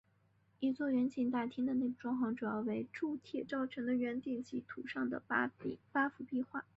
一楼圆形大厅的内部装潢主要为铸铁造成的圆顶及绘于墙上的八幅壁画。